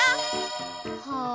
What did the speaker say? はあ。